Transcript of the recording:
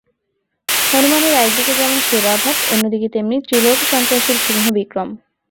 হনুমানের একদিকে যেমন সেবাভাব, অন্যদিকে তেমনি ত্রিলোকসন্ত্রাসী সিংহবিক্রম।